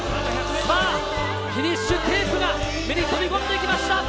さあ、フィニッシュテープが目に飛び込んできました。